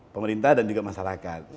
pemerintah dan juga masyarakat